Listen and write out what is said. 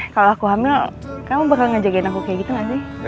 kalau aku hamil kamu bakal ngejagain aku kayak gitu gak sih